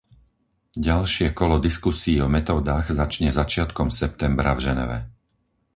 Ďalšie kolo diskusií o metódach začne začiatkom septembra v Ženeve.